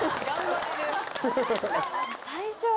最初は。